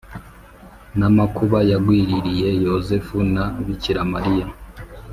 namakuba yagwiririye Yozefu na bikiramarira